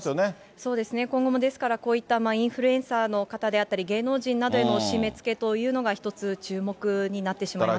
そうですね、今後もですから、こういったインフルエンサーの方であったり、芸能人などへの締めつけというのが一つ、注目になってしまいますよね。